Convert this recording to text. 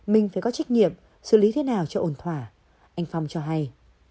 mình phải có trách nhiệm xử lý thế nào cho ổn thỏa anh phong cho hay